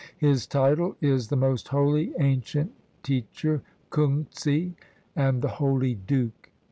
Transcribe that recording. His title is "the most Holy Ancient Teacher Kung tsz'," and "the Holy Duke."